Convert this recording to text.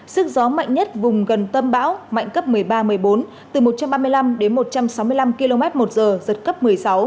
sức gió mạnh nhất vùng gần tâm bão mạnh cấp một mươi ba một mươi bốn từ một trăm ba mươi năm đến một trăm sáu mươi năm km một giờ giật cấp một mươi sáu